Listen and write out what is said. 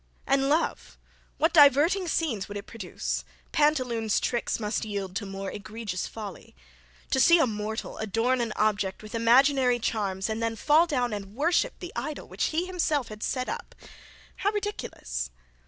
And love! What diverting scenes would it produce Pantaloon's tricks must yield to more egregious folly. To see a mortal adorn an object with imaginary charms, and then fall down and worship the idol which he had himself set up how ridiculous!